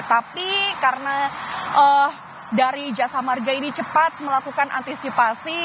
tapi karena dari jasa marga ini cepat melakukan antisipasi